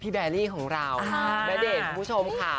แบรี่ของเราณเดชน์คุณผู้ชมค่ะ